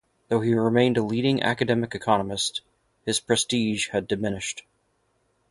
Though he remained a leading academic economist, his prestige had diminished.